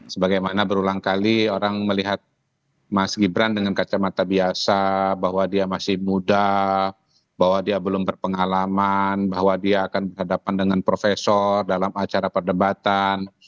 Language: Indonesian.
sebagaimana berulang kali orang melihat mas gibran dengan kacamata biasa bahwa dia masih muda bahwa dia belum berpengalaman bahwa dia akan berhadapan dengan profesor dalam acara perdebatan